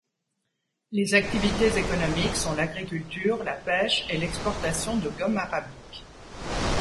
Les activités économiques sont l'agriculture, la pêche et l'exportation de gomme arabique.